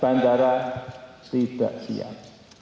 bandara tidak siap